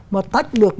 mà tách được